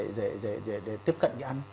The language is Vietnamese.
người bệnh cũng rất là dễ tiếp cận cái ăn